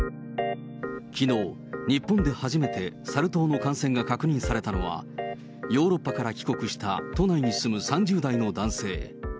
きのう、日本で初めてサル痘の感染が確認されたのは、ヨーロッパから帰国した都内に住む３０代の男性。